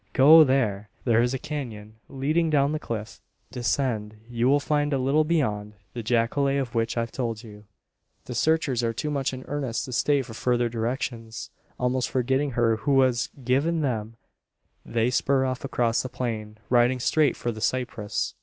Go there! There is a canon leading down the cliff. Descend. You will find, a little beyond, the jacale of which I've told you." The searchers are too much in earnest to stay for further directions. Almost forgetting her who has given them, they spur off across the plain, riding straight for the cypress.